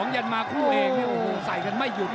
ยันมาคู่เองใส่กันไม่หยุดว่ะ